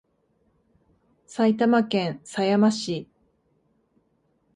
埼玉県狭山市